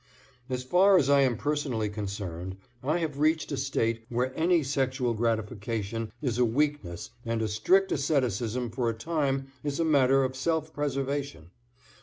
As far as I am personally concerned, I have reached a state where any sexual gratification is a weakness and a strict asceticism for a time is a matter of self preservation.